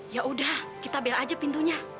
ya udah kita bela aja pintunya